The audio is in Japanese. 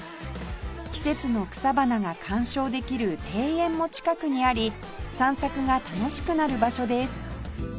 季節の草花が観賞できる庭園も近くにあり散策が楽しくなる場所です